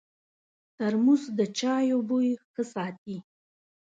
ترموز د چایو بوی ښه ساتي.